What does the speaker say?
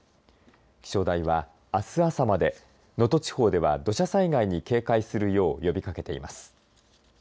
気象台はあす朝まで能登町では土砂災害に警戒するよう呼びかけています。